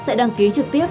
sẽ đăng ký trực tiếp